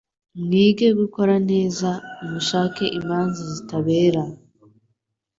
mwige gukora neza, mushake imanza zitabera,